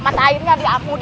mata airnya diamil